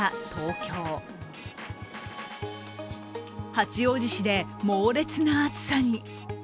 八王子市で猛烈な暑さに。